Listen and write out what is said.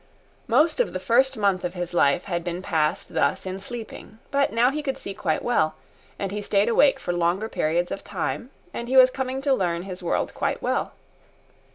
Most of the first month of his life had been passed thus in sleeping; but now he could see quite well, and he stayed awake for longer periods of time, and he was coming to learn his world quite well.